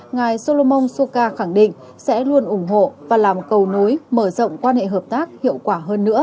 ngài solomon sukar khẳng định sẽ luôn ủng hộ và làm cầu nối mở rộng quan hệ hợp tác hiệu quả hơn nữa